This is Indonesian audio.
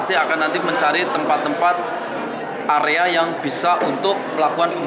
sanksi nggak pak belum